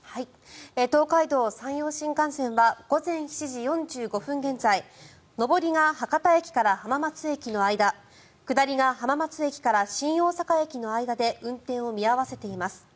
東海道・山陽新幹線は午前７時４５分現在上りが博多駅から浜松駅の間下りが浜松駅から新大阪駅の間で運転を見合わせています。